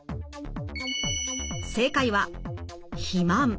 正解は肥満。